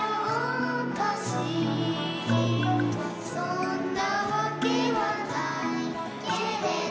「そんなわけはないけれど」